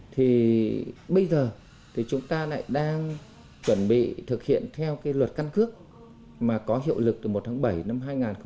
thì bây giờ thì chúng ta lại đang chuẩn bị thực hiện theo cái luật căn cước mà có hiệu lực từ một tháng bảy năm hai nghìn hai mươi